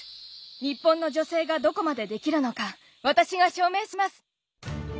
日本の女性がどこまでできるのか私が証明します。